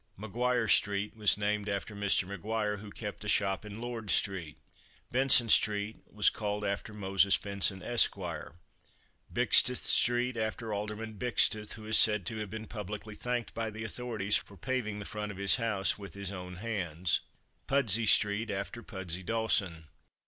Maguire street was named after Mr. Maguire who kept a shop in Lord street. Benson street was called after Moses Benson, Esq. Bixteth street after Alderman Bixteth, who is said "to have been publicly thanked by the authorities for paving the front of his house with his own hands." Pudsey street after Pudsey Dawson.